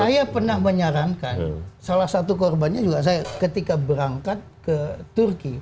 saya pernah menyarankan salah satu korbannya juga saya ketika berangkat ke turki